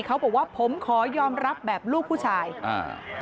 เขาบอกว่าผมขอยอมรับแบบลูกผู้ชายอ่า